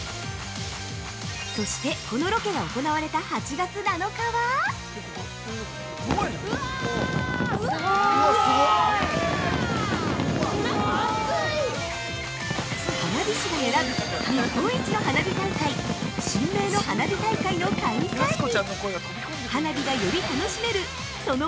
そして、このロケが行われた８月７日は花火師が選ぶ日本一の花火大会神明の花火大会の開催日。